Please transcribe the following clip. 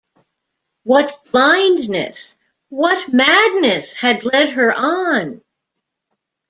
What blindness, what madness, had led her on!